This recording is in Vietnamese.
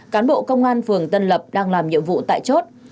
cán bộ công an phường tân lập đang làm nhiệm vụ tại chốt